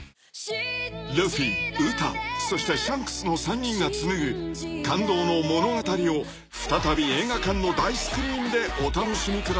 ［ルフィウタそしてシャンクスの３人が紡ぐ感動の物語を再び映画館の大スクリーンでお楽しみください］